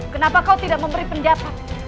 kenapa kau tidak memberi pendapat